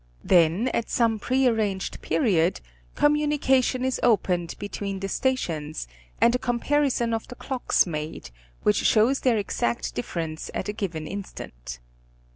Then at some prearranged period, communication is opened between the stations, and a com parison of the clocks made which shows their exact difference at a given instant.